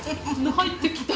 入ってきた。